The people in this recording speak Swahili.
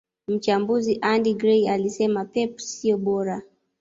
Mchambuzi Andy Gray alisema pep siyo bora